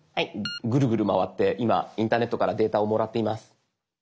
グルグル回って今インターネットからデータをもらっています。